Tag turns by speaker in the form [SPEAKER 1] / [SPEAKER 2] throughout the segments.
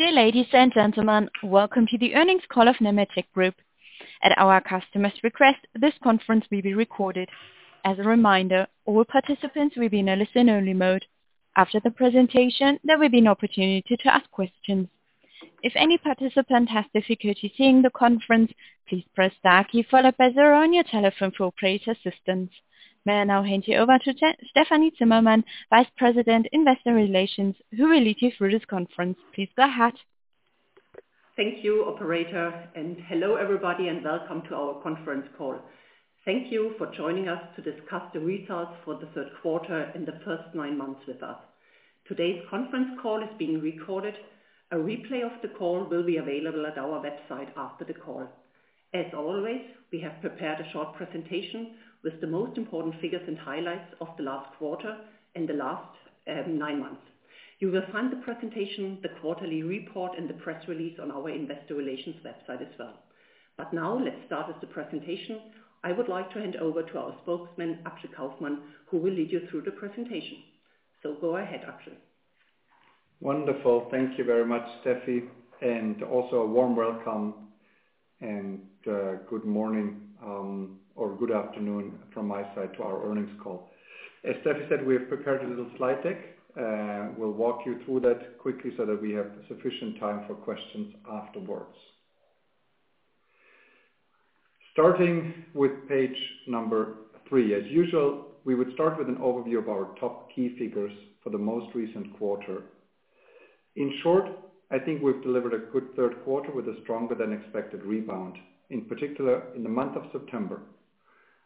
[SPEAKER 1] Dear ladies and gentlemen, welcome to the earnings call of Nemetschek Group. At our customer's request, this conference will be recorded. As a reminder, all participants will be in a listen-only mode. After the presentation, there will be an opportunity to ask questions. If any participant has difficulty hearing the conference, please press star key followed by zero on your telephone for operator assistance. May I now hand you over to Stefanie Zimmermann, Vice President, Investor Relations, who will lead you through this conference. Please go ahead.
[SPEAKER 2] Thank you, operator. Hello, everybody, and welcome to our conference call. Thank you for joining us to discuss the results for the third quarter and the first nine months with us. Today's conference call is being recorded. A replay of the call will be available at our website after the call. As always, we have prepared a short presentation with the most important figures and highlights of the last quarter and the last nine months. You will find the presentation, the quarterly report, and the press release on our investor relations website as well. Now, let's start with the presentation. I would like to hand over to our Spokesman, Axel Kaufmann, who will lead you through the presentation. Go ahead, Axel.
[SPEAKER 3] Wonderful. Thank you very much, Stefi, and also a warm welcome and good morning, or good afternoon from my side to our earnings call. As Stefi said, we have prepared a little slide deck. We'll walk you through that quickly so that we have sufficient time for questions afterwards. Starting with Page number three. As usual, we would start with an overview of our top key figures for the most recent quarter. In short, I think we've delivered a good third quarter with a stronger-than-expected rebound. In particular, in the month of September,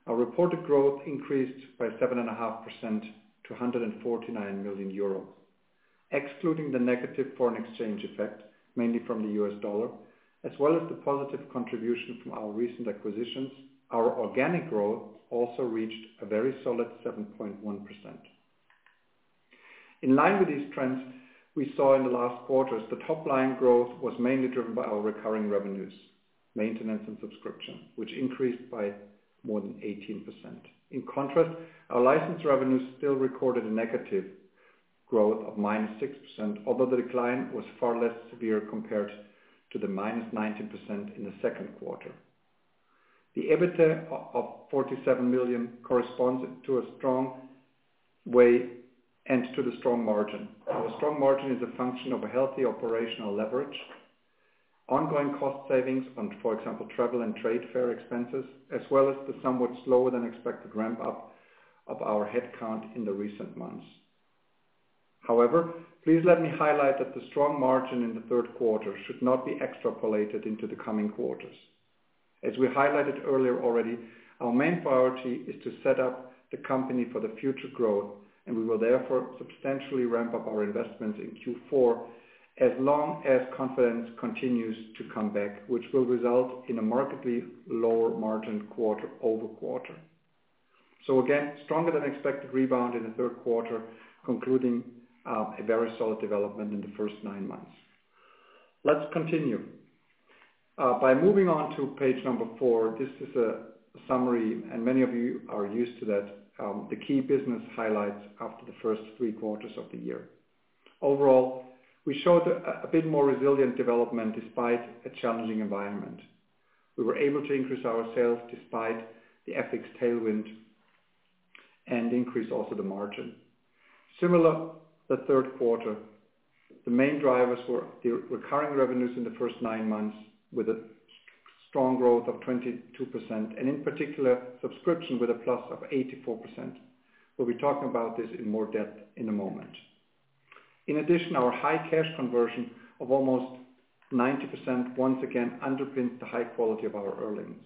[SPEAKER 3] our reported growth increased by 7.5% to 149 million euro. Excluding the negative foreign exchange effect, mainly from the U.S. dollar, as well as the positive contribution from our recent acquisitions, our organic growth also reached a very solid 7.1%. In line with these trends we saw in the last quarters, the top-line growth was mainly driven by our recurring revenues, maintenance, and subscription, which increased by more than 18%. In contrast, our license revenues still recorded a negative growth of -6%, although the decline was far less severe compared to the -19% in the second quarter. The EBITDA of 47 million corresponds to a strong way and to the strong margin. Our strong margin is a function of a healthy operational leverage, ongoing cost savings on, for example, travel and trade fair expenses, as well as the somewhat slower than expected ramp-up of our headcount in the recent months. However, please let me highlight that the strong margin in the third quarter should not be extrapolated into the coming quarters. As we highlighted earlier already, our main priority is to set up the company for future growth, and we will therefore substantially ramp up our investments in Q4 as long as confidence continues to come back, which will result in a markedly lower margin quarter-over-quarter. Again, stronger than expected rebound in the third quarter, concluding a very solid development in the first nine months. Let's continue. By moving on to Page number four, this is a summary, and many of you are used to that. The key business highlights after the first three quarters of the year. Overall, we showed a bit more resilient development despite a challenging environment. We were able to increase our sales despite the FX tailwind and increase also the margin. Similar to the third quarter, the main drivers were the recurring revenues in the first nine months with a strong growth of 22%, and in particular, subscription with a plus of 84%. We'll be talking about this in more depth in a moment. In addition, our high cash conversion of almost 90% once again underpins the high quality of our earnings.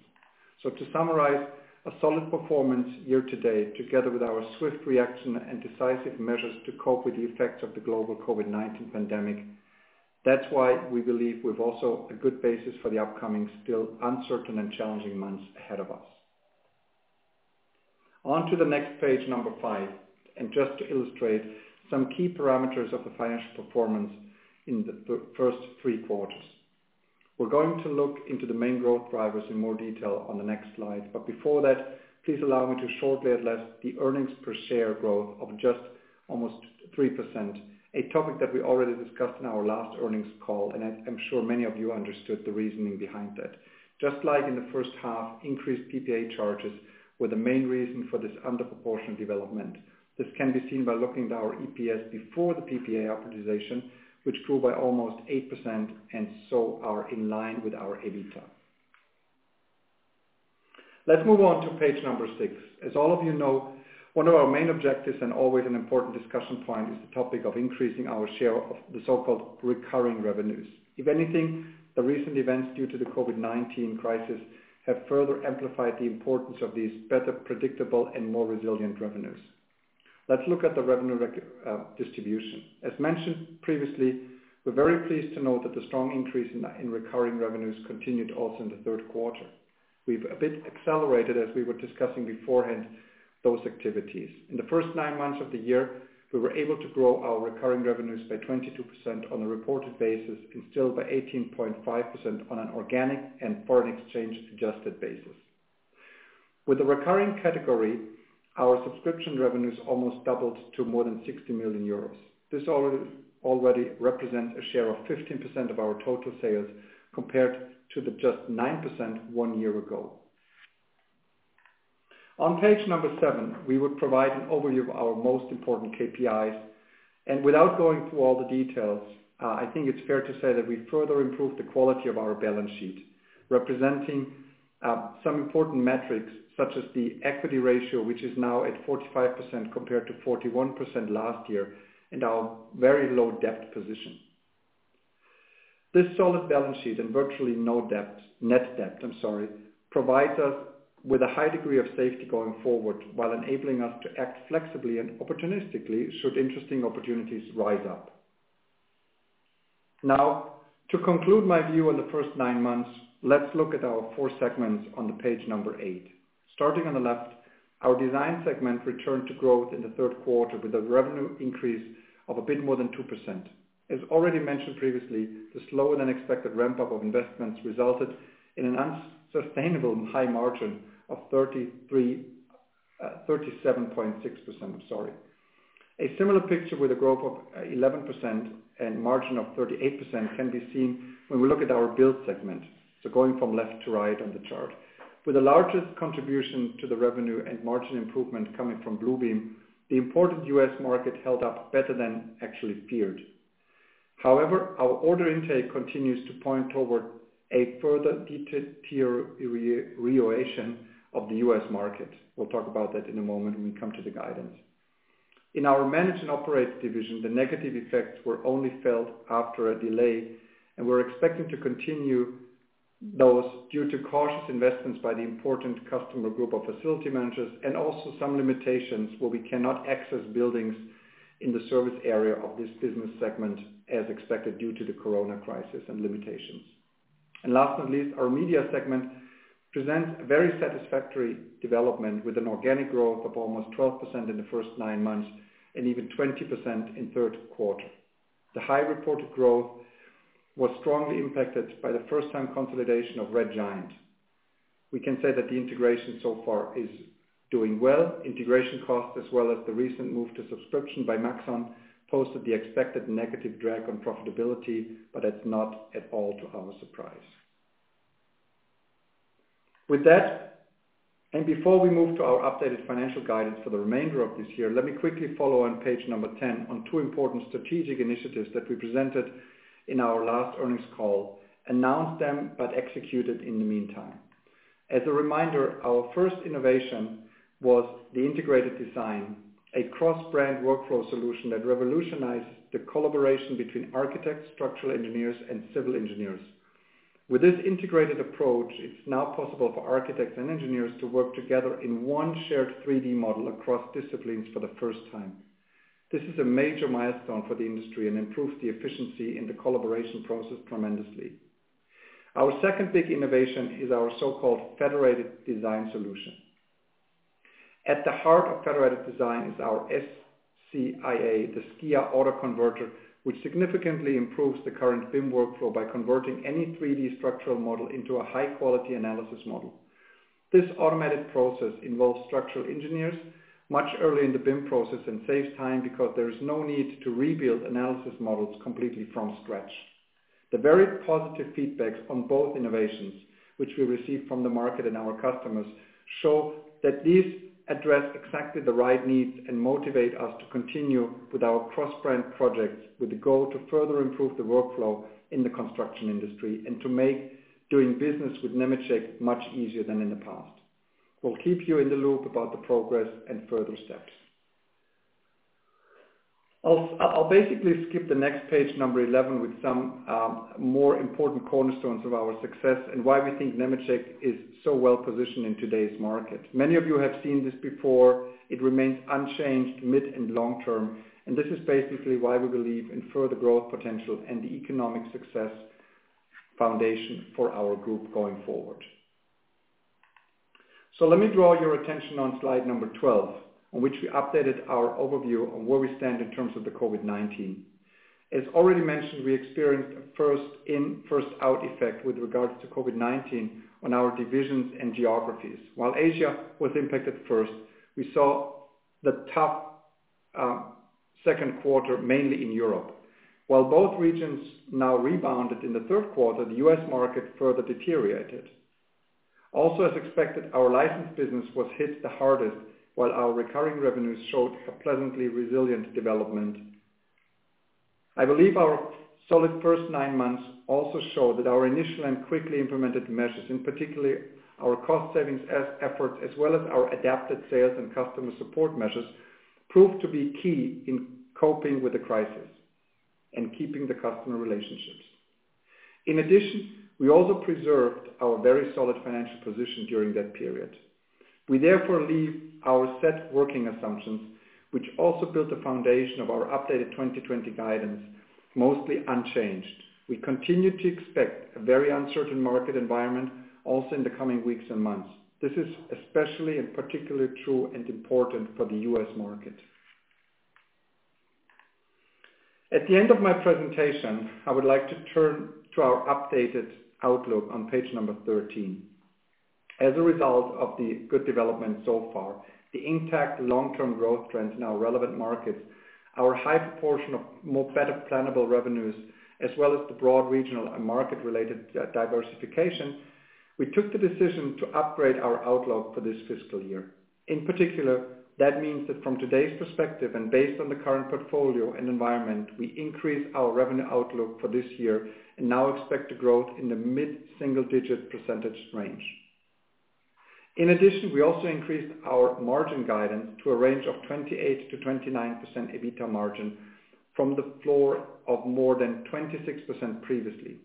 [SPEAKER 3] To summarize, a solid performance year-to-date, together with our swift reaction and decisive measures to cope with the effects of the global COVID-19 pandemic. That is why we believe we've also a good basis for the upcoming, still uncertain and challenging months ahead of us. On to the next Page number five, and just to illustrate some key parameters of the financial performance in the first three quarters. We're going to look into the main growth drivers in more detail on the next slide. Before that, please allow me to shortly address the earnings per share growth of just almost 3%, a topic that we already discussed in our last earnings call, and I'm sure many of you understood the reasoning behind that. Just like in the first half, increased PPA charges were the main reason for this under-proportion development. This can be seen by looking at our EPS before the PPA optimization, which grew by almost 8% and are in line with our EBITDA. Let's move on to Page number six. As all of you know, one of our main objectives and always an important discussion point is the topic of increasing our share of the so-called recurring revenues. If anything, the recent events due to the COVID-19 crisis have further amplified the importance of these better predictable and more resilient revenues. Let's look at the revenue distribution. As mentioned previously, we're very pleased to note that the strong increase in recurring revenues continued also in the third quarter. We've a bit accelerated, as we were discussing beforehand, those activities. In the first nine months of the year, we were able to grow our recurring revenues by 22% on a reported basis and still by 18.5% on an organic and foreign exchange-adjusted basis. With the recurring category, our subscription revenues almost doubled to more than 60 million euros. This already represents a share of 15% of our total sales, compared to the just 9% one year ago. On Page number seven, we would provide an overview of our most important KPIs. Without going through all the details, I think it's fair to say that we further improved the quality of our balance sheet, representing some important metrics such as the equity ratio, which is now at 45% compared to 41% last year, and our very low debt position. This solid balance sheet and virtually no net debt provides us with a high degree of safety going forward, while enabling us to act flexibly and opportunistically should interesting opportunities rise up. To conclude my view on the first nine months, let's look at our four segments on the Page number eight. Starting on the left, our Design segment returned to growth in the third quarter with a revenue increase of a bit more than 2%. As already mentioned previously, the slower-than-expected ramp-up of investments resulted in an unsustainable high margin of 37.6%. A similar picture with a growth of 11% and margin of 38% can be seen when we look at our Build segment, so going from left to right on the chart. With the largest contribution to the revenue and margin improvement coming from Bluebeam, the important U.S. market held up better than actually feared. However, our order intake continues to point toward a further deterioration of the U.S. market. We'll talk about that in a moment when we come to the guidance. In our Manage and Operate division, the negative effects were only felt after a delay, and we're expecting to continue those due to cautious investments by the important customer group of facility managers and also some limitations where we cannot access buildings in the service area of this business segment as expected due to the COVID-19 and limitations. Last but not least, our media segment presents a very satisfactory development with an organic growth of almost 12% in the first nine months and even 20% in third quarter. The high reported growth was strongly impacted by the first-time consolidation of Red Giant. We can say that the integration so far is doing well. Integration costs as well as the recent move to subscription by Maxon posted the expected negative drag on profitability, but that's not at all to our surprise. With that, before we move to our updated financial guidance for the remainder of this year, let me quickly follow on Page number 10 on two important strategic initiatives that we presented in our last earnings call, announced them, but executed in the meantime. As a reminder, our first innovation was the Integrated Design, a cross-brand workflow solution that revolutionized the collaboration between architects, structural engineers, and civil engineers. With this integrated approach, it's now possible for architects and engineers to work together in one shared 3D model across disciplines for the first time. This is a major milestone for the industry and improves the efficiency in the collaboration process tremendously. Our second big innovation is our so-called Federated Design solution. At the heart of Federated Design is our SCIA, the SCIA AutoConverter, which significantly improves the current BIM workflow by converting any 3D structural model into a high-quality analysis model. This automatic process involves structural engineers much early in the BIM process and saves time because there is no need to rebuild analysis models completely from scratch. The very positive feedbacks on both innovations, which we receive from the market and our customers, show that these address exactly the right needs and motivate us to continue with our cross-brand projects with the goal to further improve the workflow in the construction industry and to make doing business with Nemetschek much easier than in the past. We'll keep you in the loop about the progress and further steps. I'll basically skip the next Page, number 11, with some more important cornerstones of our success and why we think Nemetschek is so well positioned in today's market. Many of you have seen this before. It remains unchanged mid- and long-term, this is basically why we believe in further growth potential and the economic success foundation for our group going forward. Let me draw your attention on Slide number 12, on which we updated our overview on where we stand in terms of the COVID-19. As already mentioned, we experienced a first in, first out effect with regards to COVID-19 on our divisions and geographies. While Asia was impacted first, we saw the tough second quarter mainly in Europe. While both regions now rebounded in the third quarter, the U.S. market further deteriorated. Also, as expected, our license business was hit the hardest while our recurring revenues showed a pleasantly resilient development. I believe our solid first nine months also show that our initial and quickly implemented measures, and particularly our cost savings efforts as well as our adapted sales and customer support measures, proved to be key in coping with the crisis and keeping the customer relationships. We also preserved our very solid financial position during that period. We therefore leave our set working assumptions, which also built the foundation of our updated 2020 guidance, mostly unchanged. We continue to expect a very uncertain market environment also in the coming weeks and months. This is especially and particularly true and important for the U.S. market. At the end of my presentation, I would like to turn to our updated outlook on Page number 13. As a result of the good development so far, the intact long-term growth trends in our relevant markets, our high proportion of more better plannable revenues, as well as the broad regional and market-related diversification, we took the decision to upgrade our outlook for this fiscal year. In particular, that means that from today's perspective and based on the current portfolio and environment, we increase our revenue outlook for this year and now expect a growth in the mid-single digit percentage range. In addition, we also increased our margin guidance to a range of 28%-29% EBITDA margin from the floor of more than 26% previously.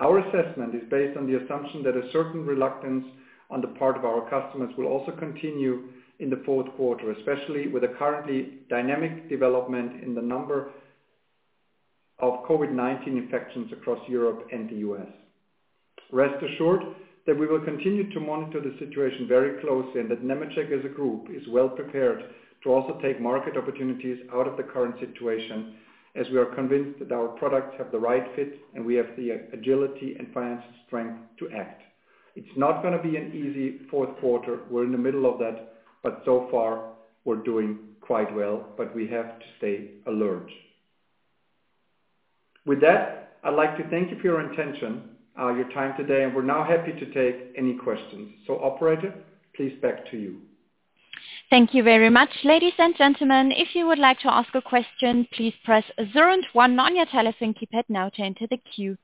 [SPEAKER 3] Our assessment is based on the assumption that a certain reluctance on the part of our customers will also continue in the fourth quarter, especially with the currently dynamic development in the number of COVID-19 infections across Europe and the U.S. Rest assured that we will continue to monitor the situation very closely, and that Nemetschek, as a group, is well prepared to also take market opportunities out of the current situation, as we are convinced that our products have the right fit and we have the agility and financial strength to act. It's not going to be an easy fourth quarter. We're in the middle of that, but so far, we're doing quite well, but we have to stay alert. With that, I'd like to thank you for your attention, your time today, and we're now happy to take any questions. Operator, please back to you.
[SPEAKER 1] Thank you very much. Ladies and gentlemen, if you would like to ask a question, please press zero one on your telephone key pad now to enter the queue.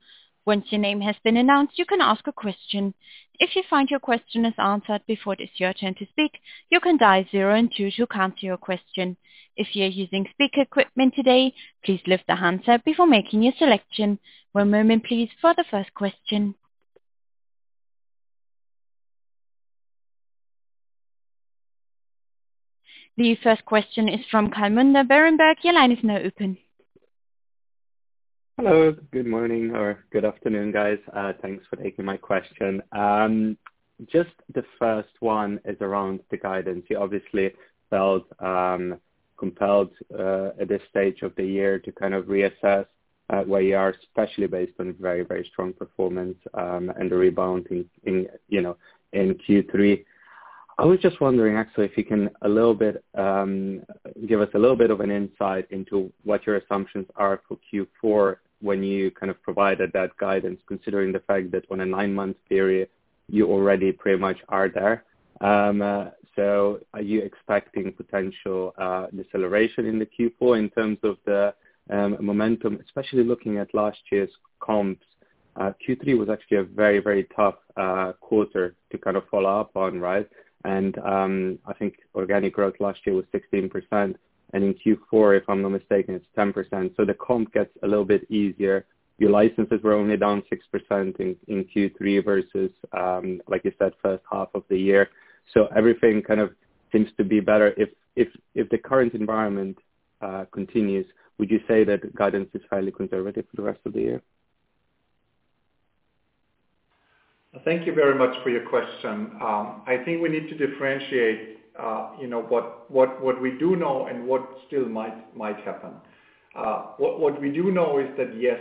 [SPEAKER 1] Once your name has been announced, you can ask a question. If you find your question has been answered before it's your chance to speak, you can dial zero and two to cancel your question. If you're using a speaker equipment today, please lift the handset before making your selection. One moment, please for the first question. The first question is from Gal Munda, Berenberg.
[SPEAKER 4] Hello. Good morning or good afternoon, guys. Thanks for taking my question. Just the first one is around the guidance. You obviously felt compelled, at this stage of the year, to kind of reassess where you are, especially based on very strong performance, and the rebound in Q3. I was just wondering, actually, if you can give us a little bit of an insight into what your assumptions are for Q4 when you provided that guidance, considering the fact that on a nine-month period, you already pretty much are there. Are you expecting potential deceleration in the Q4 in terms of the momentum? Especially looking at last year's comps, Q3 was actually a very tough quarter to follow-up on, right? I think organic growth last year was 16%, and in Q4, if I'm not mistaken, it's 10%. The comp gets a little bit easier. Your licenses were only down 6% in Q3 versus, like you said, first half of the year. Everything kind of seems to be better. If the current environment continues, would you say that guidance is highly conservative for the rest of the year?
[SPEAKER 3] Thank you very much for your question. I think we need to differentiate what we do know and what still might happen. What we do know is that, yes,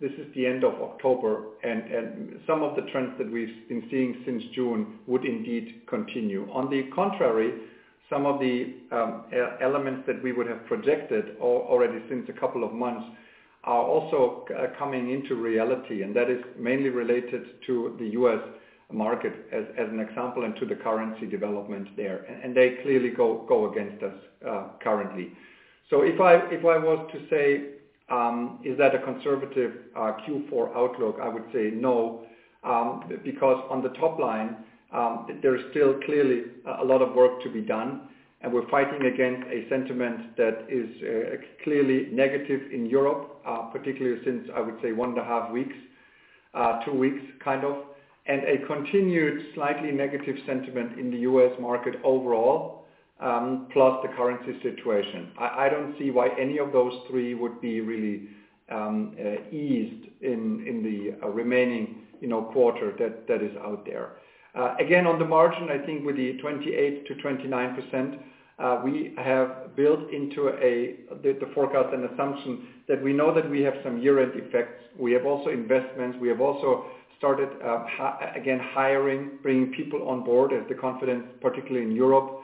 [SPEAKER 3] this is the end of October, and some of the trends that we've been seeing since June would indeed continue. On the contrary, some of the elements that we would have projected, already since a couple of months, are also coming into reality, and that is mainly related to the U.S. market, as an example, and to the currency development there. They clearly go against us currently. If I was to say, is that a conservative Q4 outlook, I would say no, because on the top line, there is still clearly a lot of work to be done, and we're fighting against a sentiment that is clearly negative in Europe, particularly since, I would say one and a half weeks, two weeks, kind of. A continued slightly negative sentiment in the U.S. market overall, plus the currency situation. I don't see why any of those three would be really eased in the remaining quarter that is out there. Again, on the margin, I think with the 28%-29%, we have built into the forecast an assumption that we know that we have some year-end effects. We have also investments. We have also started, again, hiring, bringing people on board as the confidence, particularly in Europe,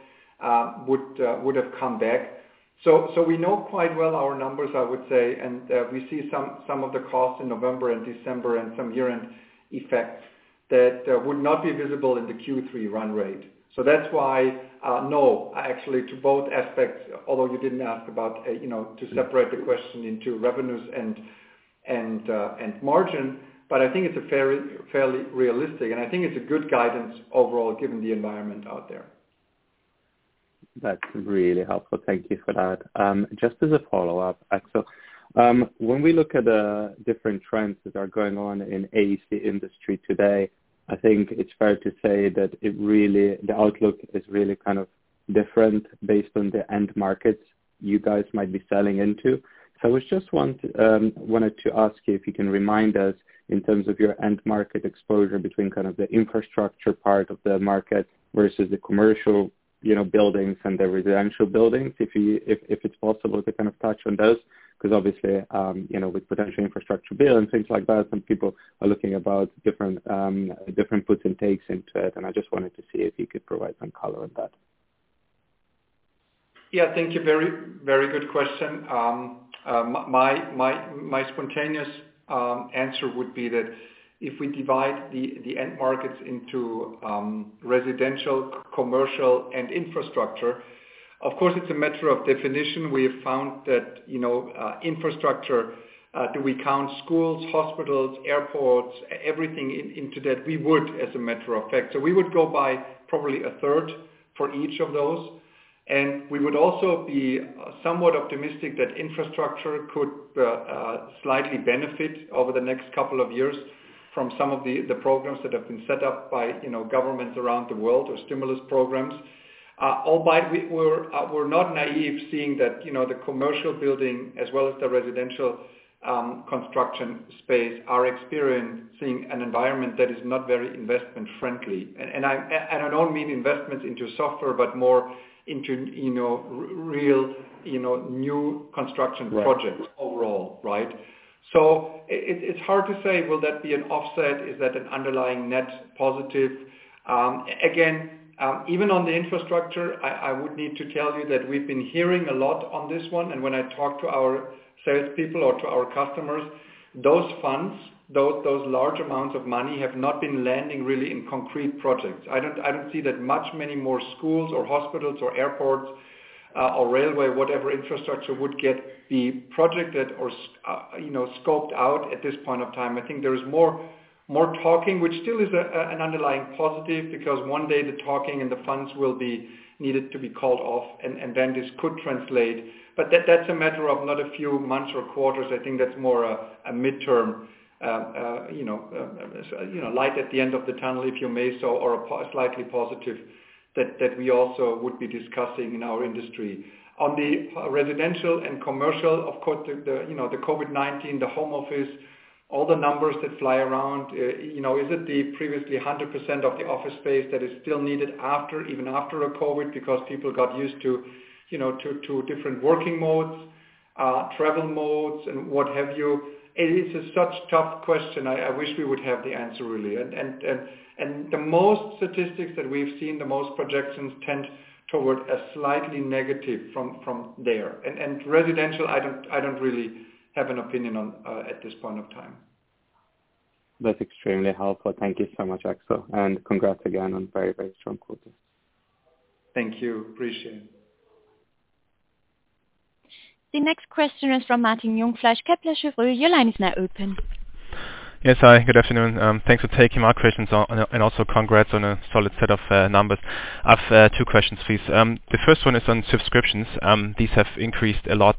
[SPEAKER 3] would have come back. We know quite well our numbers, I would say, and we see some of the costs in November and December and some year-end effects that would not be visible in the Q3 run rate. That's why, no, actually to both aspects, although you didn't ask about to separate the question into revenues and margin, but I think it's fairly realistic, and I think it's a good guidance overall given the environment out there.
[SPEAKER 4] That's really helpful. Thank you for that. Just as a follow-up, Axel. When we look at the different trends that are going on in AEC industry today, I think it's fair to say that the outlook is really different based on the end markets you guys might be selling into. I just wanted to ask you if you can remind us in terms of your end market exposure between the infrastructure part of the market versus the commercial buildings and the residential buildings. If it's possible to touch on those, because obviously, with potential infrastructure build and things like that, some people are looking about different puts and takes into it, and I just wanted to see if you could provide some color on that.
[SPEAKER 3] Yeah. Thank you. Very good question. My spontaneous answer would be that if we divide the end markets into residential, commercial, and infrastructure, of course, it's a matter of definition. We have found that infrastructure, do we count schools, hospitals, airports, everything into that? We would, as a matter of fact. We would go by probably a third for each of those. We would also be somewhat optimistic that infrastructure could slightly benefit over the next couple of years from some of the programs that have been set up by governments around the world or stimulus programs. Albeit, we're not naive seeing that the commercial building as well as the residential construction space are experiencing an environment that is not very investment-friendly. I don't mean investments into software, but more into real new construction projects-
[SPEAKER 4] Right
[SPEAKER 3] overall, right? It's hard to say, will that be an offset? Is that an underlying net positive? Again, even on the infrastructure, I would need to tell you that we've been hearing a lot on this one, and when I talk to our salespeople or to our customers, those funds, those large amounts of money, have not been landing really in concrete projects. I don't see that much many more schools or hospitals or airports, or railway, whatever infrastructure would get de-projected or scoped out at this point of time. I think there is more talking, which still is an underlying positive because one day the talking and the funds will be needed to be called off and then this could translate. That's a matter of not a few months or quarters. I think that's more a midterm, light at the end of the tunnel, if you may so, or a slightly positive that we also would be discussing in our industry. On the residential and commercial, of course, the COVID-19, the home office, all the numbers that fly around, is it the previously 100% of the office space that is still needed even after COVID because people got used to different working modes, travel modes, and what have you. It is a such tough question. I wish we would have the answer, really. The most statistics that we've seen, the most projections tend toward a slightly negative from there. Residential, I don't really have an opinion on at this point of time.
[SPEAKER 4] That's extremely helpful. Thank you so much, Axel, and congrats again on a very, very strong quarter.
[SPEAKER 3] Thank you. Appreciate it.
[SPEAKER 1] The next question is from Martin Jungfleisch, Kepler Cheuvreux. Your line is now open.
[SPEAKER 5] Yes, hi, good afternoon. Thanks for taking my questions and also congrats on a solid set of numbers. I have two questions, please. The first one is on subscriptions. These have increased a lot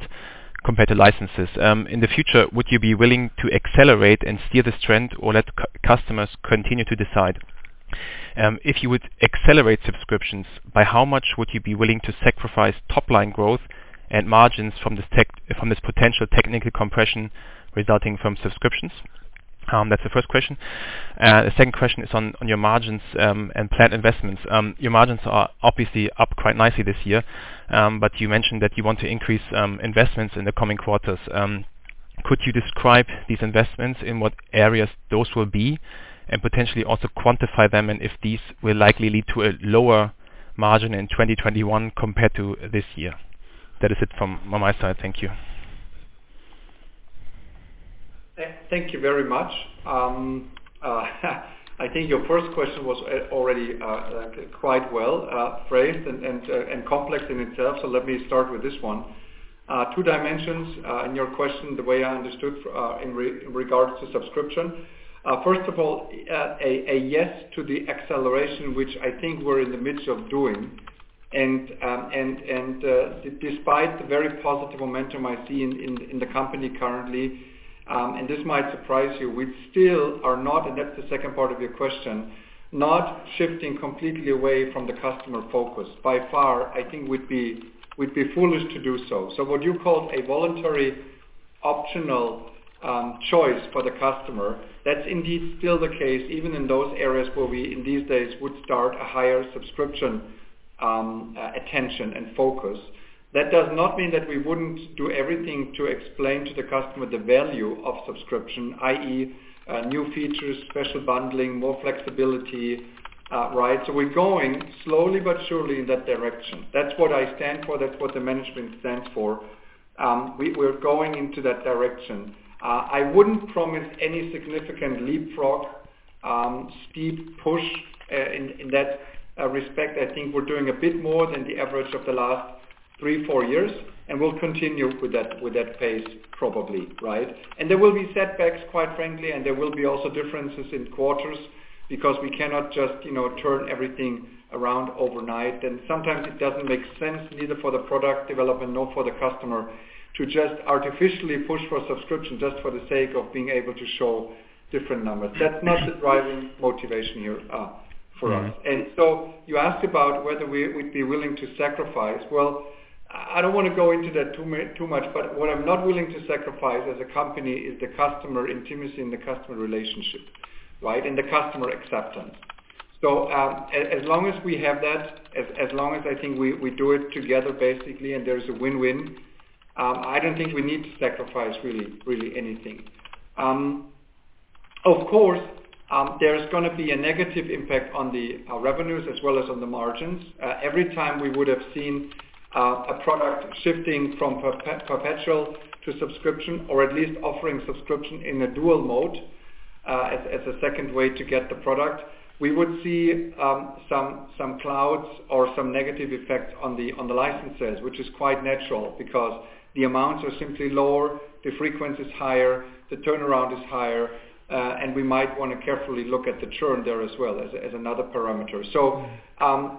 [SPEAKER 5] compared to licenses. In the future, would you be willing to accelerate and steer this trend or let customers continue to decide? If you would accelerate subscriptions, by how much would you be willing to sacrifice top-line growth and margins from this potential technical compression resulting from subscriptions? That is the first question. The second question is on your margins and planned investments. Your margins are obviously up quite nicely this year, but you mentioned that you want to increase investments in the coming quarters. Could you describe these investments in what areas those will be and potentially also quantify them and if these will likely lead to a lower margin in 2021 compared to this year? That is it from my side. Thank you.
[SPEAKER 3] Thank you very much. I think your first question was already quite well-phrased and complex in itself. Let me start with this one. Two dimensions in your question, the way I understood in regards to subscription. First of all, a yes to the acceleration, which I think we're in the midst of doing. Despite the very positive momentum I see in the company currently, and this might surprise you, we still are not, and that's the second part of your question, not shifting completely away from the customer focus. By far, I think we'd be foolish to do so. What you called a voluntary optional choice for the customer, that's indeed still the case, even in those areas where we, in these days, would start a higher subscription attention and focus. That does not mean that we wouldn't do everything to explain to the customer the value of subscription, i.e., new features, special bundling, more flexibility. We're going slowly but surely in that direction. That's what I stand for. That's what the management stands for. We're going into that direction. I wouldn't promise any significant leapfrog steep push in that respect. I think we're doing a bit more than the average of the last three, four years, and we'll continue with that pace probably. There will be setbacks, quite frankly, and there will be also differences in quarters because we cannot just turn everything around overnight. Sometimes it doesn't make sense, neither for the product development nor for the customer to just artificially push for subscription just for the sake of being able to show different numbers. That's not the driving motivation here for us. You asked about whether we'd be willing to sacrifice. Well I don't want to go into that too much, but what I'm not willing to sacrifice as a company is the customer intimacy and the customer relationship. Right? The customer acceptance. As long as we have that, as long as I think we do it together, basically, and there's a win-win, I don't think we need to sacrifice really anything. Of course, there's going to be a negative impact on the revenues as well as on the margins. Every time we would have seen a product shifting from perpetual to subscription, or at least offering subscription in a dual mode, as a second way to get the product, we would see some clouds or some negative effects on the licenses, which is quite natural because the amounts are simply lower, the frequency is higher, the turnaround is higher, and we might want to carefully look at the churn there as well as another parameter.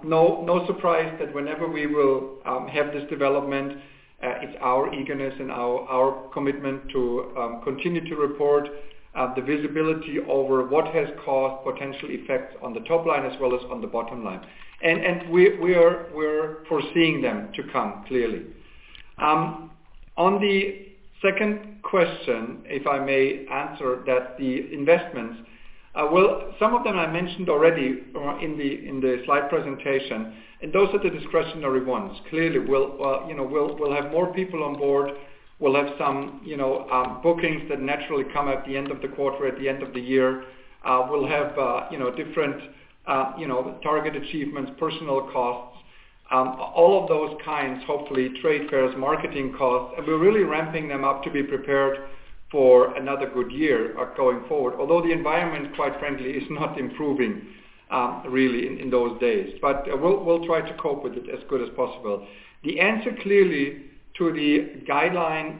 [SPEAKER 3] No surprise that whenever we will have this development, it's our eagerness and our commitment to continue to report the visibility over what has caused potential effects on the top line as well as on the bottom line. We're foreseeing them to come, clearly. On the second question, if I may answer that the investments, some of them I mentioned already in the slide presentation, and those are the discretionary ones. Clearly, we'll have more people on board. We'll have some bookings that naturally come at the end of the quarter, at the end of the year. We'll have different target achievements, personnel costs, all of those kinds, hopefully trade fairs, marketing costs. We're really ramping them up to be prepared for another good year going forward. The environment, quite frankly, is not improving really in those days. We'll try to cope with it as good as possible. The answer, clearly, to the guideline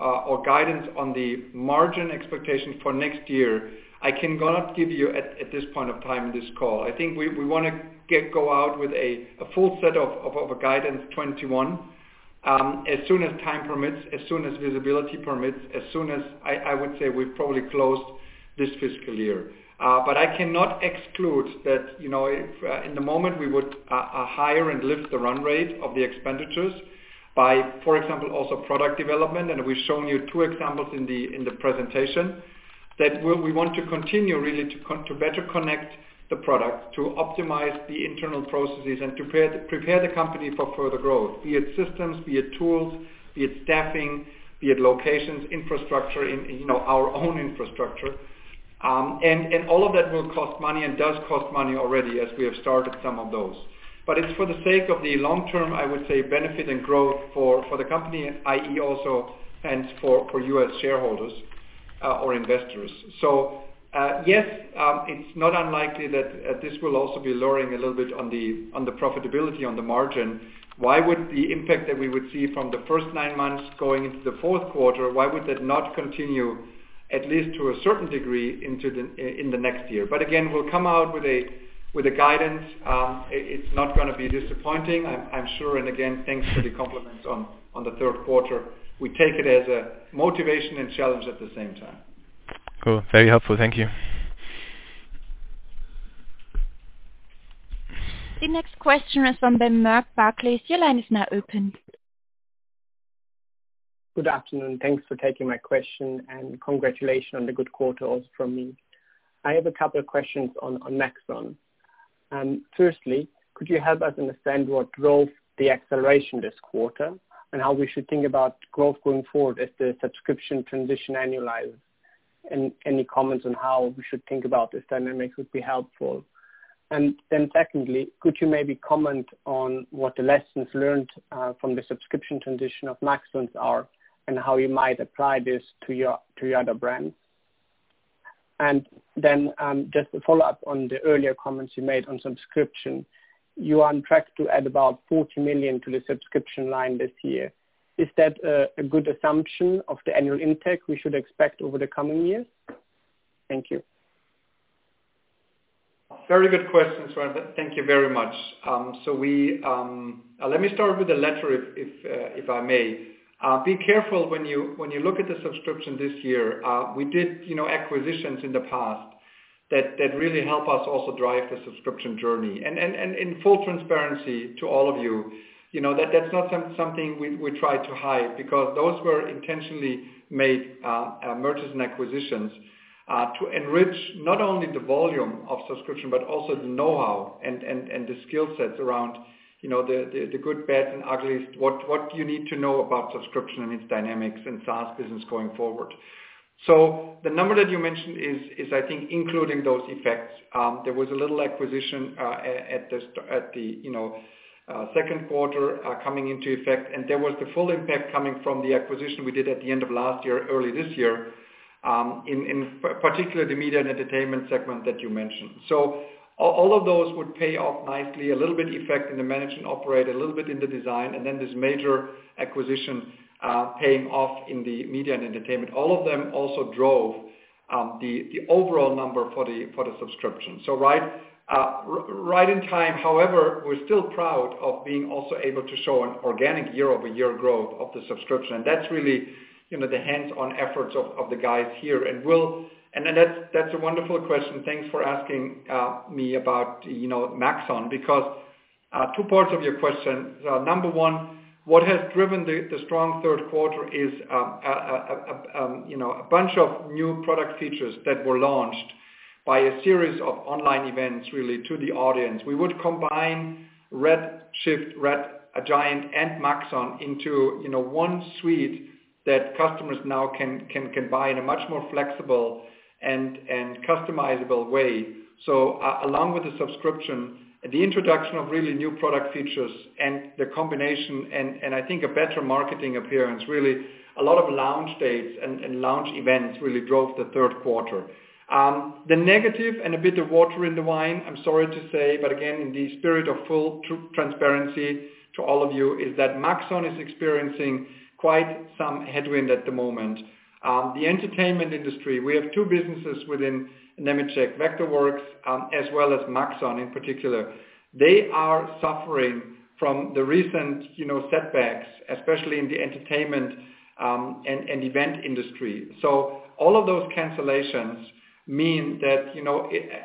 [SPEAKER 3] or guidance on the margin expectations for next year, I cannot give you at this point of time in this call. I think we want to go out with a full set of our guidance 2021, as soon as time permits, as soon as visibility permits, as soon as, I would say, we've probably closed this fiscal year. I cannot exclude that, in the moment we would hire and lift the run rate of the expenditures by, for example, also product development, and we've shown you two examples in the presentation. We want to continue really to better connect the product, to optimize the internal processes and to prepare the company for further growth, be it systems, be it tools, be it staffing, be it locations, infrastructure, our own infrastructure. All of that will cost money and does cost money already as we have started some of those. It's for the sake of the long term, I would say, benefit and growth for the company, i.e., also hence for you as shareholders or investors. Yes, it's not unlikely that this will also be lowering a little bit on the profitability on the margin. Why would the impact that we would see from the first nine months going into the fourth quarter, why would that not continue at least to a certain degree in the next year? Again, we'll come out with a guidance. It's not going to be disappointing, I'm sure. Again, thanks for the compliments on the third quarter. We take it as a motivation and challenge at the same time.
[SPEAKER 5] Cool. Very helpful. Thank you.
[SPEAKER 1] The next question is from Sven Merkt, Barclays. Your line is now open.
[SPEAKER 6] Good afternoon. Thanks for taking my question. Congratulations on the good quarter also from me. I have a couple of questions on Maxon. Firstly, could you help us understand what drove the acceleration this quarter, and how we should think about growth going forward as the subscription transition annualize? Any comments on how we should think about this dynamic would be helpful. Secondly, could you maybe comment on what the lessons learned from the subscription transition of Maxon are, and how you might apply this to your other brands? Just a follow-up on the earlier comments you made on subscription. You are on track to add about 40 million to the subscription line this year. Is that a good assumption of the annual intake we should expect over the coming years? Thank you.
[SPEAKER 3] Very good questions. Thank you very much. Let me start with the latter, if I may. Be careful when you look at the subscription this year. We did acquisitions in the past that really help us also drive the subscription journey. In full transparency to all of you, that's not something we try to hide because those were intentionally made mergers and acquisitions to enrich not only the volume of subscription but also the know-how and the skill sets around the good, bad, and ugly. What do you need to know about subscription and its dynamics and SaaS business going forward? The number that you mentioned is I think including those effects. There was a little acquisition at the second quarter coming into effect, and there was the full impact coming from the acquisition we did at the end of last year, early this year, in particular the Media & Entertainment segment that you mentioned. All of those would pay off nicely, a little bit effect in the Manage & Operate, a little bit in the Design, and then this major acquisition paying off in the Media & Entertainment. All of them also drove the overall number for the subscription. Right in time, however, we're still proud of being also able to show an organic year-over-year growth of the subscription. That's really the hands-on efforts of the guys here. That's a wonderful question. Thanks for asking me about Maxon. Two parts of your question. Number one, what has driven the strong third quarter is a bunch of new product features that were launched by a series of online events really to the audience. We would combine Redshift, Red Giant and Maxon into one suite that customers now can buy in a much more flexible and customizable way. Along with the subscription, the introduction of really new product features and the combination, and I think a better marketing appearance, really a lot of launch dates and launch events really drove the third quarter. The negative and a bit of water in the wine, I'm sorry to say, but again, in the spirit of full transparency to all of you, is that Maxon is experiencing quite some headwind at the moment. The entertainment industry, we have two businesses within Nemetschek, Vectorworks, as well as Maxon in particular. They are suffering from the recent setbacks, especially in the entertainment and event industry. All of those cancellations mean that,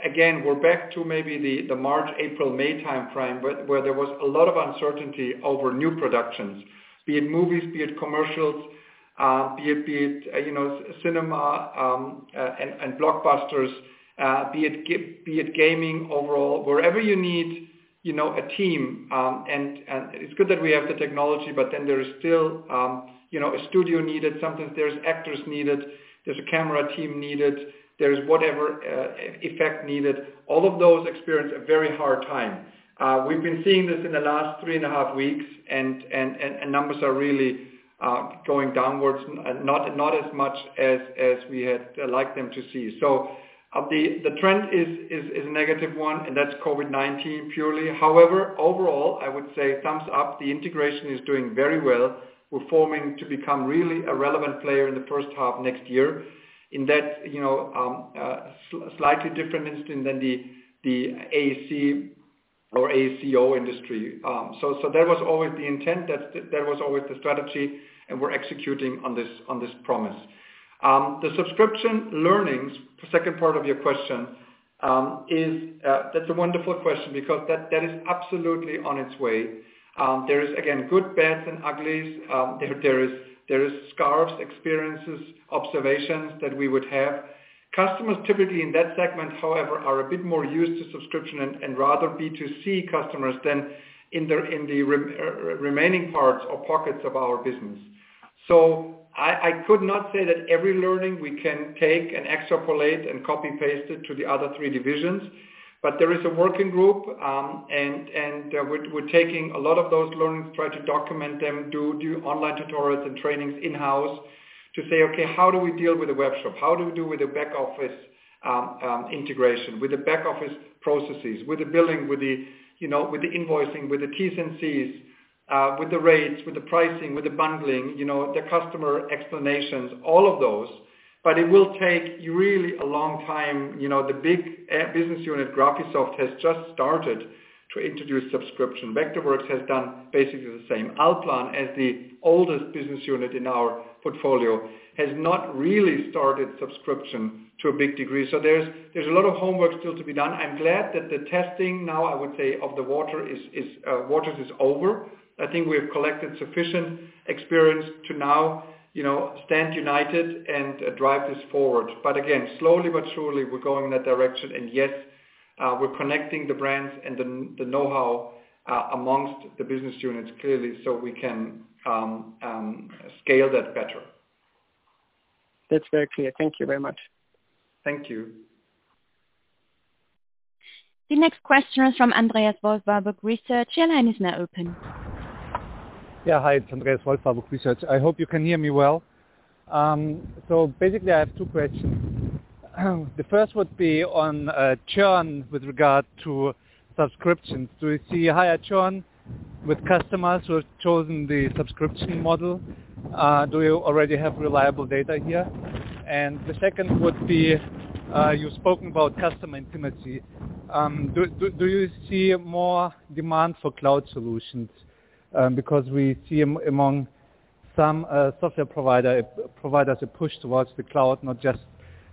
[SPEAKER 3] again, we're back to maybe the March, April, May timeframe, where there was a lot of uncertainty over new productions, be it movies, be it commercials, be it cinema and blockbusters, be it gaming overall. Wherever you need a team, and it's good that we have the technology, but then there is still a studio needed. Sometimes there's actors needed, there's a camera team needed, there's whatever effect needed. All of those experience a very hard time. We've been seeing this in the last three and a half weeks, and numbers are really going downwards, not as much as we had liked them to see. The trend is a negative one, and that's COVID-19 purely. However, overall, I would say thumbs up, the integration is doing very well. We're forming to become really a relevant player in the first half next year in that slightly different industry than the AEC or AECO industry. That was always the intent, that was always the strategy, and we're executing on this promise. The subscription learnings, the second part of your question, that's a wonderful question because that is absolutely on its way. There is, again, good, bad, and uglies. There is scars, experiences, observations that we would have. Customers typically in that segment, however, are a bit more used to subscription and rather B2C customers than in the remaining parts or pockets of our business. I could not say that every learning we can take and extrapolate and copy-paste it to the other three divisions. There is a working group, and we're taking a lot of those learnings, try to document them, do online tutorials and trainings in-house to say, "Okay, how do we deal with a webshop? How do we do with a back office integration, with the back office processes, with the billing, with the invoicing, with the T&Cs, with the rates, with the pricing, with the bundling, the customer explanations, all of those?" It will take really a long time. The big business unit, Graphisoft, has just started to introduce subscription. Vectorworks has done basically the same. ALLPLAN, as the oldest business unit in our portfolio, has not really started subscription to a big degree. There's a lot of homework still to be done. I'm glad that the testing now, I would say, of the waters is over. I think we have collected sufficient experience to now stand united and drive this forward. Again, slowly but surely, we're going in that direction. Yes, we're connecting the brands and the know-how amongst the business units clearly so we can scale that better.
[SPEAKER 6] That's very clear. Thank you very much.
[SPEAKER 3] Thank you.
[SPEAKER 1] The next question is from Andreas Wolf, Warburg Research. Your line is now open.
[SPEAKER 7] Yeah. Hi, it's Andreas Wolf, Warburg Research. I hope you can hear me well. Basically, I have two questions. The first would be on churn with regard to subscriptions. Do you see higher churn with customers who have chosen the subscription model? Do you already have reliable data here? The second would be, you spoke about customer intimacy. Do you see more demand for cloud solutions? Because we see among some software providers, a push towards the cloud, not just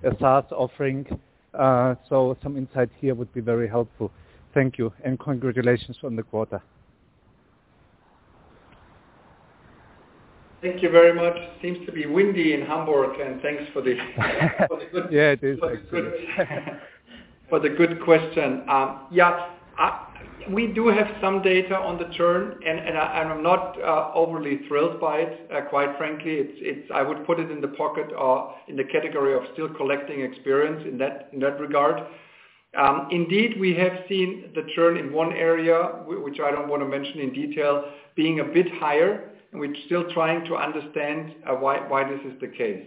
[SPEAKER 7] a SaaS offering. Some insights here would be very helpful. Thank you. Congratulations on the quarter.
[SPEAKER 3] Thank you very much. Seems to be windy in Hamburg.
[SPEAKER 7] Yeah, it is actually.
[SPEAKER 3] for the good question. Yeah. We do have some data on the churn, and I'm not overly thrilled by it, quite frankly. I would put it in the pocket or in the category of still collecting experience in that regard. Indeed, we have seen the churn in one area, which I don't want to mention in detail, being a bit higher, and we're still trying to understand why this is the case.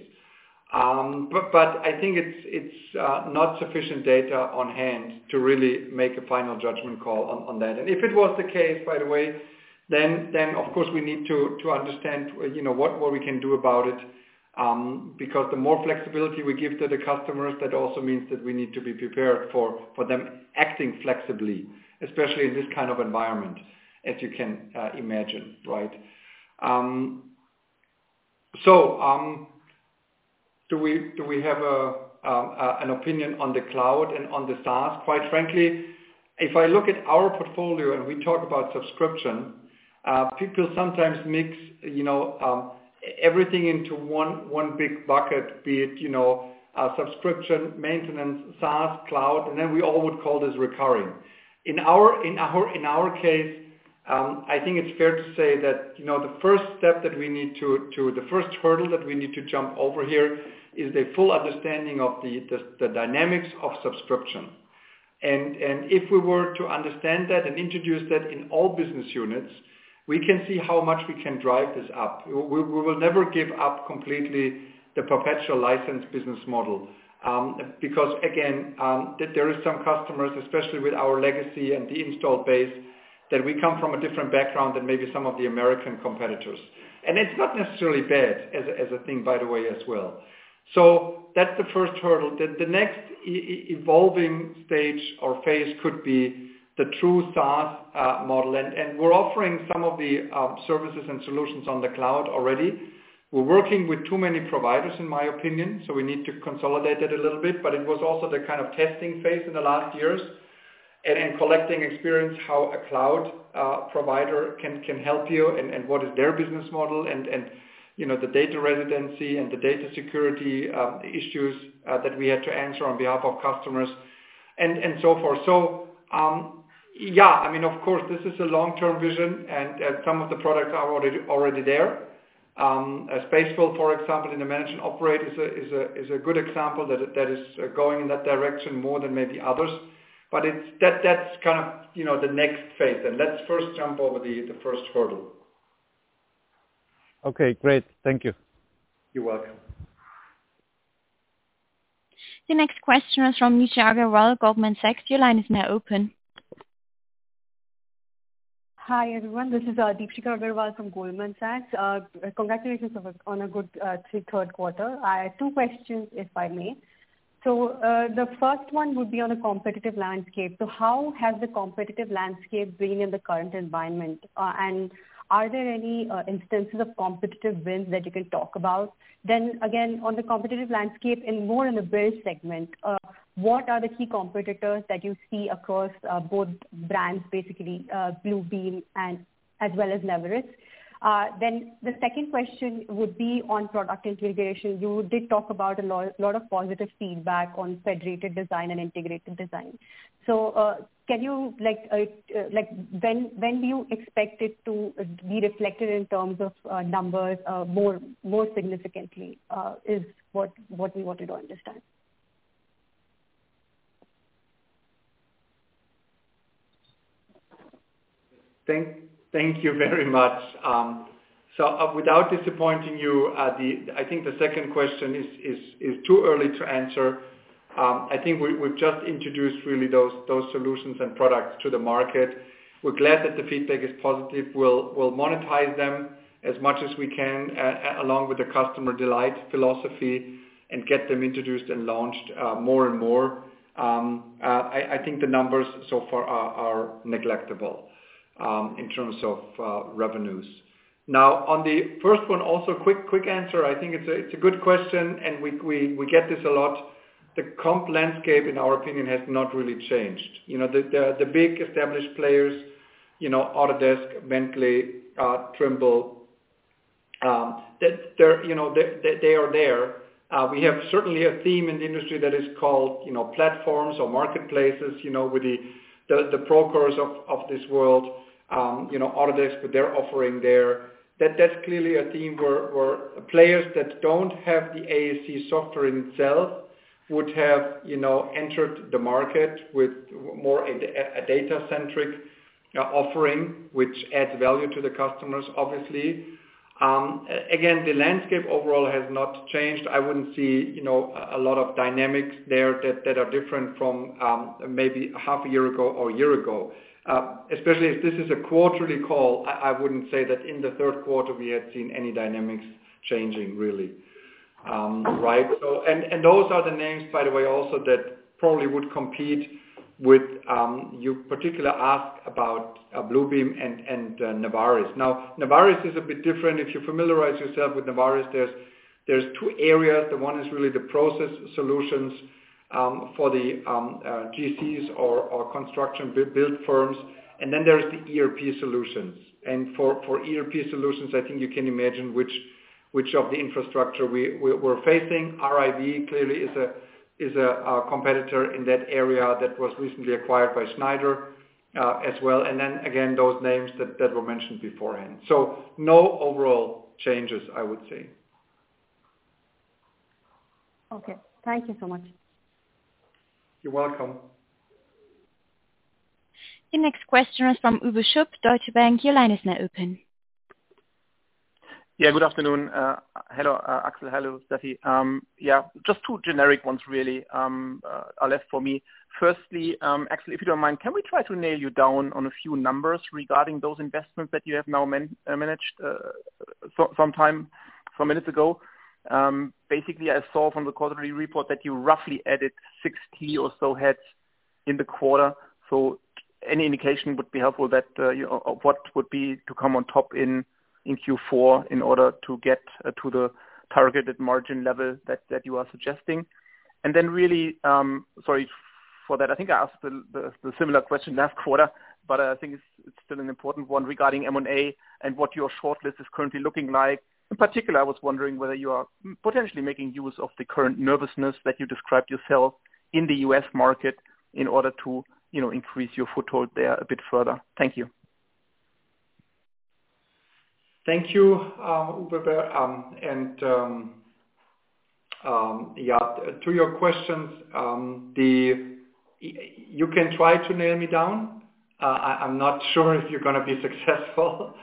[SPEAKER 3] I think it's not sufficient data on hand to really make a final judgment call on that. If it was the case, by the way, then of course, we need to understand what we can do about it. The more flexibility we give to the customers, that also means that we need to be prepared for them acting flexibly, especially in this kind of environment, as you can imagine. Right?
[SPEAKER 7] Yeah
[SPEAKER 3] Do we have an opinion on the cloud and on the SaaS? Quite frankly, if I look at our portfolio and we talk about subscription, people sometimes mix everything into one big bucket, be it subscription, maintenance, SaaS, cloud, and then we all would call this recurring. In our case, I think it's fair to say that the first hurdle that we need to jump over here is the full understanding of the dynamics of subscription. If we were to understand that and introduce that in all business units, we can see how much we can drive this up. We will never give up completely the perpetual license business model. Again, there is some customers, especially with our legacy and the installed base, that we come from a different background than maybe some of the American competitors. It's not necessarily bad as a thing, by the way, as well. That's the first hurdle. The next evolving stage or phase could be the true SaaS model. We're offering some of the services and solutions on the cloud already. We're working with too many providers, in my opinion, so we need to consolidate it a little bit. It was also the kind of testing phase in the last years and collecting experience how a cloud provider can help you and what is their business model and the data residency and the data security issues that we had to answer on behalf of customers and so forth. Yeah, of course, this is a long-term vision, and some of the products are already there. Spacewell, for example, in the Manage & Operate is a good example that is going in that direction more than maybe others. That's the next phase. Let's first jump over the first hurdle.
[SPEAKER 7] Okay, great. Thank you.
[SPEAKER 3] You're welcome.
[SPEAKER 1] The next question is from Deepshikha Agarwal, Goldman Sachs. Your line is now open.
[SPEAKER 8] Hi, everyone. This is Deepshikha Agarwal from Goldman Sachs. Congratulations on a good third quarter. I have two questions, if I may. The first one would be on the competitive landscape. How has the competitive landscape been in the current environment? Are there any instances of competitive wins that you can talk about? Again, on the competitive landscape and more in the build segment, what are the key competitors that you see across both brands, basically, Bluebeam as well as NEVARIS? The second question would be on product integration. You did talk about a lot of positive feedback on Federated Design and Integrated Design. When do you expect it to be reflected in terms of numbers more significantly? Is what we wanted to understand.
[SPEAKER 3] Thank you very much. Without disappointing you, Deep, I think the second question is too early to answer. I think we've just introduced really those solutions and products to the market. We're glad that the feedback is positive. We'll monetize them as much as we can, along with the customer delight philosophy and get them introduced and launched more and more. I think the numbers so far are neglectable in terms of revenues. On the first one, also quick answer. I think it's a good question, and we get this a lot. The comp landscape, in our opinion, has not really changed. The big established players, Autodesk, Bentley, Trimble, they are there. We have certainly a theme in the industry that is called platforms or marketplaces, with the Procores of this world, Autodesk, with their offering there. That's clearly a theme where players that don't have the AEC software in itself would have entered the market with more a data-centric offering, which adds value to the customers, obviously. The landscape overall has not changed. I wouldn't see a lot of dynamics there that are different from maybe half a year ago or a year ago. Especially if this is a quarterly call, I wouldn't say that in the third quarter we had seen any dynamics changing, really. Right? Those are the names, by the way, also that probably would compete with, you particularly asked about Bluebeam and NEVARIS. NEVARIS is a bit different. If you familiarize yourself with NEVARIS, there's two areas. The one is really the process solutions for the GCs or construction build firms, and then there's the ERP solutions. For ERP solutions, I think you can imagine which of the infrastructure we're facing. RIB clearly is a competitor in that area that was recently acquired by Schneider as well. Then, again, those names that were mentioned beforehand. No overall changes, I would say.
[SPEAKER 8] Okay. Thank you so much.
[SPEAKER 3] You're welcome.
[SPEAKER 1] The next question is from Uwe Schupp, Deutsche Bank. Your line is now open.
[SPEAKER 9] Good afternoon. Hello, Axel. Hello, Stefi. Just two generic ones, really are left for me. Firstly, Axel, if you don't mind, can we try to nail you down on a few numbers regarding those investments that you have now managed some minutes ago? Basically, I saw from the quarterly report that you roughly added 60 or so heads in the quarter. Any indication would be helpful what would be to come on top in Q4 in order to get to the targeted margin level that you are suggesting. Really, sorry for that, I think I asked the similar question last quarter, but I think it's still an important one regarding M&A and what your shortlist is currently looking like. In particular, I was wondering whether you are potentially making use of the current nervousness that you described yourself in the U.S. market in order to increase your foothold there a bit further. Thank you.
[SPEAKER 3] Thank you, Uwe. To your questions, you can try to nail me down. I'm not sure if you're going to be successful.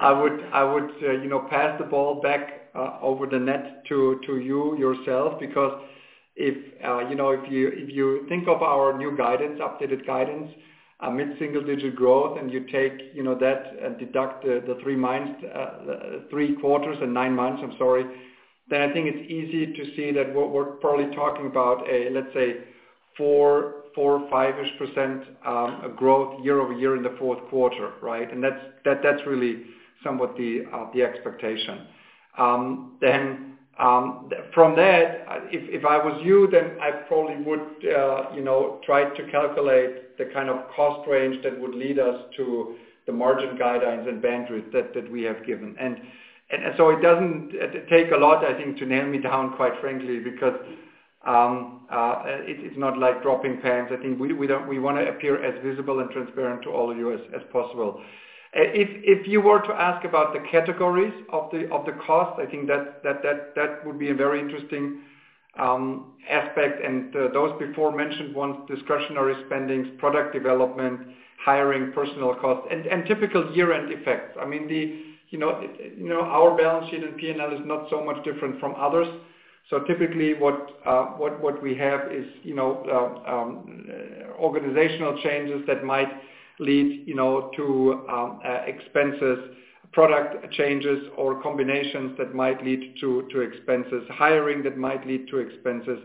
[SPEAKER 3] I would pass the ball back over the net to you yourself, because if you think of our new updated guidance, mid-single digit growth, you take that and deduct the three quarters and nine months, I'm sorry, I think it's easy to see that we're probably talking about a, let's say, 4% or 5%-ish growth year-over-year in the fourth quarter. Right? That's really somewhat the expectation. From that, if I was you, I probably would try to calculate the kind of cost range that would lead us to the margin guidelines and bandwidth that we have given. It doesn't take a lot, I think, to nail me down, quite frankly, because it's not like dropping pens. I think we want to appear as visible and transparent to all of you as possible. If you were to ask about the categories of the cost, I think that would be a very interesting aspect. Those before mentioned, one, discretionary spendings, product development, hiring personnel costs, and typical year-end effects. Our balance sheet and P&L is not so much different from others. Typically what we have is organizational changes that might lead to expenses, product changes or combinations that might lead to expenses, hiring that might lead to expenses,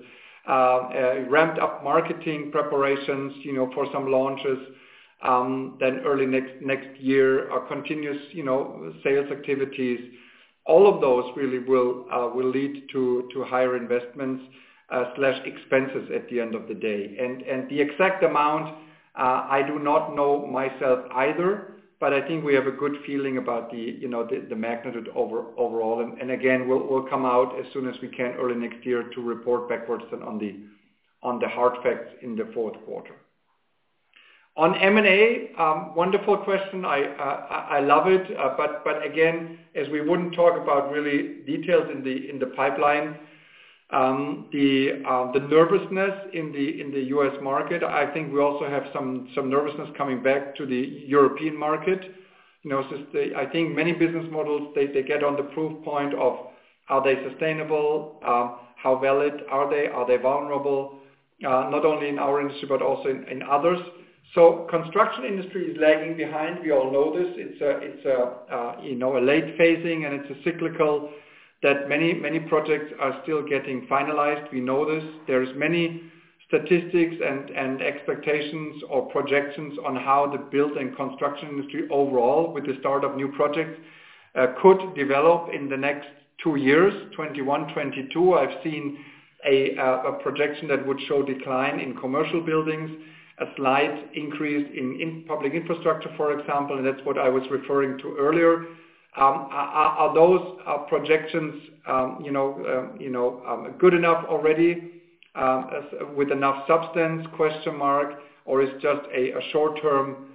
[SPEAKER 3] ramped up marketing preparations for some launches, then early next year, our continuous sales activities. All of those really will lead to higher investments/expenses at the end of the day. The exact amount, I do not know myself either, but I think we have a good feeling about the magnitude overall. Again, we'll come out as soon as we can early next year to report backwards then on the hard facts in the fourth quarter. On M&A, wonderful question. I love it, again, as we wouldn't talk about really details in the pipeline. The nervousness in the U.S. market, I think we also have some nervousness coming back to the European market. I think many business models, they get on the proof point of are they sustainable? How valid are they? Are they vulnerable? Not only in our industry, but also in others. Construction industry is lagging behind. We all know this. It's a late phasing and it's a cyclical that many projects are still getting finalized. We know this. There is many statistics and expectations or projections on how the build and construction industry overall with the start of new projects could develop in the next two years, 2021, 2022. I've seen a projection that would show decline in commercial buildings, a slight increase in public infrastructure, for example. That's what I was referring to earlier. Are those projections good enough already, with enough substance, question mark, or it's just a short-term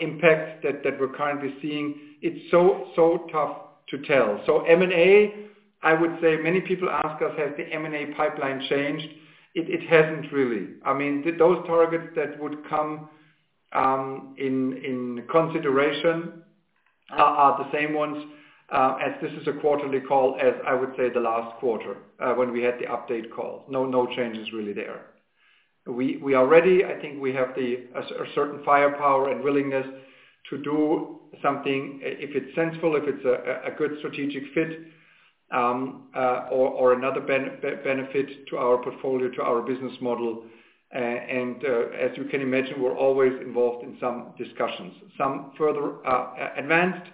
[SPEAKER 3] impact that we're currently seeing? It's so tough to tell. M&A, I would say many people ask us, has the M&A pipeline changed? It hasn't really. Those targets that would come in consideration are the same ones as this is a quarterly call, as I would say, the last quarter, when we had the update call. No changes really there. We are ready. I think we have a certain firepower and willingness to do something if it's sensible, if it's a good strategic fit or another benefit to our portfolio, to our business model. As you can imagine, we're always involved in some discussions. Some further advanced,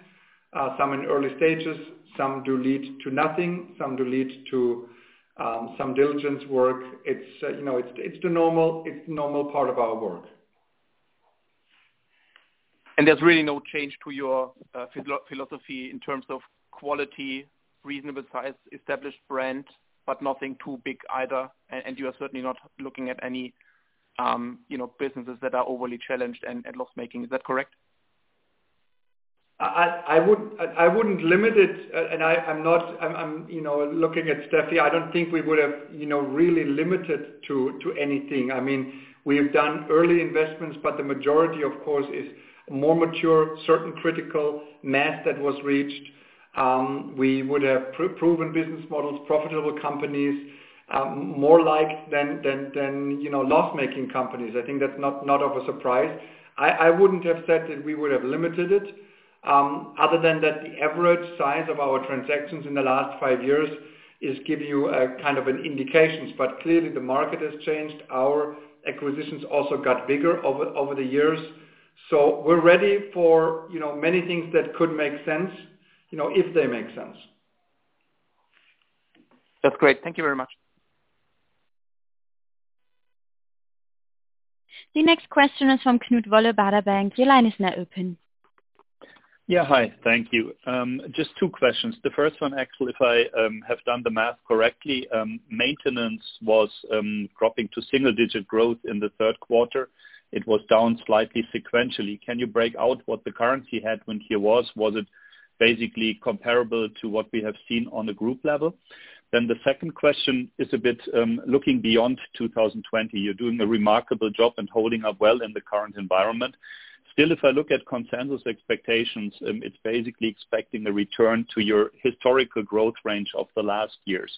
[SPEAKER 3] some in early stages. Some do lead to nothing. Some do lead to some diligence work. It's the normal part of our work.
[SPEAKER 9] There's really no change to your philosophy in terms of quality, reasonable size, established brand, but nothing too big either, and you are certainly not looking at any businesses that are overly challenged and loss-making. Is that correct?
[SPEAKER 3] I wouldn't limit it, and I'm looking at Stefi. I don't think we would have really limited to anything. We have done early investments, but the majority, of course, is more mature, certain critical mass that was reached. We would have proven business models, profitable companies, more like than loss-making companies. I think that's not of a surprise. I wouldn't have said that we would have limited it, other than that the average size of our transactions in the last five years is give you a kind of an indication. Clearly the market has changed. Our acquisitions also got bigger over the years. We're ready for many things that could make sense, if they make sense.
[SPEAKER 9] That's great. Thank you very much.
[SPEAKER 1] The next question is from Knut Woller, Baader Bank. Your line is now open.
[SPEAKER 10] Yeah. Hi, thank you. Just two questions. The first one, Axel, if I have done the math correctly, maintenance was dropping to single digit growth in the third quarter. It was down slightly sequentially. Can you break out what the currency headwind here was? Was it basically comparable to what we have seen on the group level? The second question is a bit looking beyond 2020. You're doing a remarkable job and holding up well in the current environment. Still, if I look at consensus expectations, it's basically expecting a return to your historical growth range of the last years.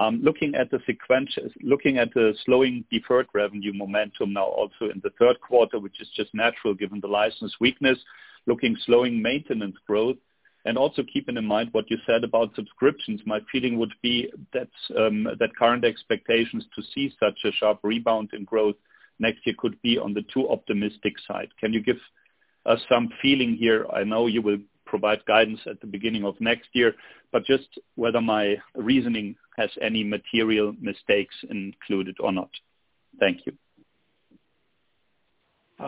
[SPEAKER 10] Looking at the slowing deferred revenue momentum now also in the third quarter, which is just natural given the license weakness, looking slowing maintenance growth, and also keeping in mind what you said about subscriptions, my feeling would be that current expectations to see such a sharp rebound in growth next year could be on the too optimistic side. Can you give us some feeling here? I know you will provide guidance at the beginning of next year, just whether my reasoning has any material mistakes included or not. Thank you.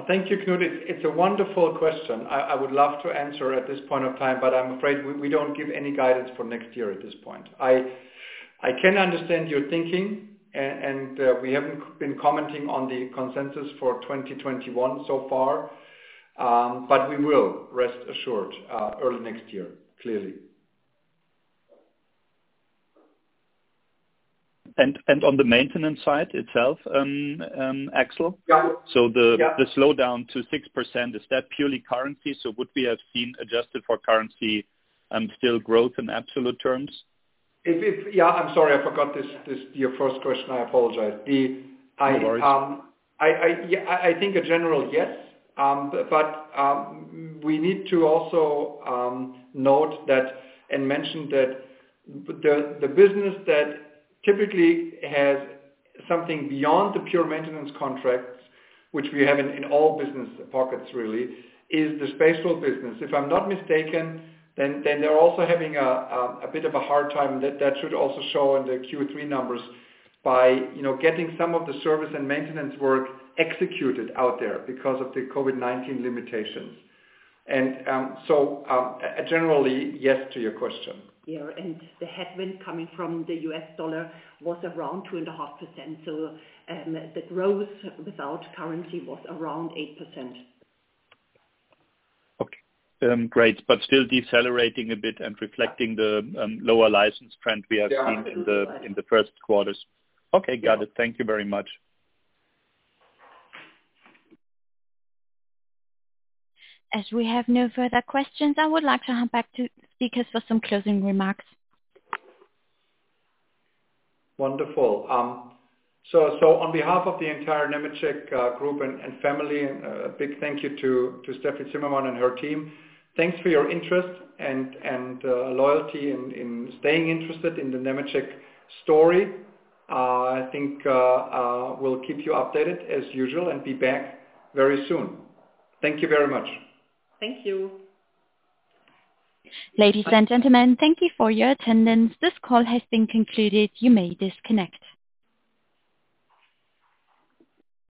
[SPEAKER 3] Thank you, Knut. It's a wonderful question. I would love to answer at this point of time, but I'm afraid we don't give any guidance for next year at this point. I can understand your thinking, and we haven't been commenting on the consensus for 2021 so far. We will, rest assured, early next year, clearly.
[SPEAKER 10] On the maintenance side itself, Axel?
[SPEAKER 3] Yeah.
[SPEAKER 10] The slowdown to 6%, is that purely currency? Would we have seen adjusted for currency and still growth in absolute terms?
[SPEAKER 3] I'm sorry, I forgot your first question. I apologize.
[SPEAKER 10] No worries.
[SPEAKER 3] I think a general yes. We need to also note that and mention that the business that typically has something beyond the pure maintenance contracts, which we have in all business pockets really, is the Spacewell business. If I'm not mistaken, then they're also having a bit of a hard time. That should also show in the Q3 numbers by getting some of the service and maintenance work executed out there because of the COVID-19 limitations. Generally yes to your question.
[SPEAKER 2] Yeah, the headwind coming from the U.S. dollar was around 2.5%. The growth without currency was around 8%.
[SPEAKER 10] Okay. Great. Still decelerating a bit and reflecting the lower license trend we have seen in the first quarters. Okay, got it. Thank you very much.
[SPEAKER 1] As we have no further questions, I would like to hand back to speakers for some closing remarks.
[SPEAKER 3] Wonderful. On behalf of the entire Nemetschek Group and family, a big thank you to Stefi Zimmermann and her team. Thanks for your interest and loyalty in staying interested in the Nemetschek story. I think we'll keep you updated as usual and be back very soon. Thank you very much.
[SPEAKER 2] Thank you.
[SPEAKER 1] Ladies and gentlemen, thank you for your attendance. This call has been concluded. You may disconnect.